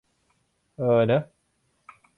เออเนอะ